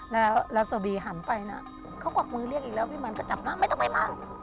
แล้วลาโซบีหันไปนะเขากวักมือเรียกอีกแล้วพี่มันก็จับนะไม่ต้องไปมา